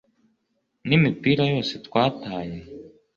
n'imipira yose twataye